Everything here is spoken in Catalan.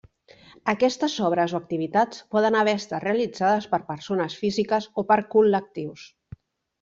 Aquestes obres o activitats poden haver estat realitzades per persones físiques o per col·lectius.